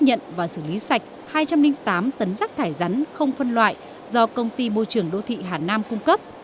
nhận và xử lý sạch hai trăm linh tám tấn rác thải rắn không phân loại do công ty môi trường đô thị hà nam cung cấp